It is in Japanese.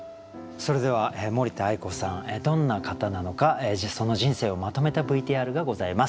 それでは森田愛子さんどんな方なのかその人生をまとめたＶＴＲがございます。